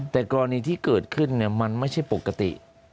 แต่กรณีที่เกิดขึ้นมันไม่ใช่ปกติ